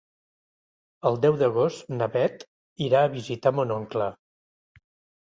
El deu d'agost na Bet irà a visitar mon oncle.